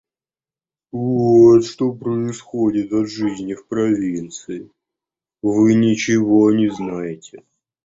Вот что происходит от жизни в провинции, вы ничего не знаете.